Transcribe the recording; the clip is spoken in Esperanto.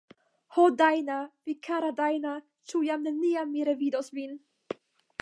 Ho, Dajna, vi kara Dajna, ĉu jam neniam mi revidos vin?